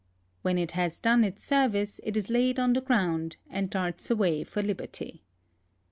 When it has done its service it is laid on the ground and darts away for liberty.